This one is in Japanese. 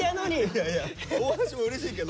いやいや大橋もうれしいけど。